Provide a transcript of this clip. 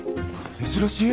珍しい。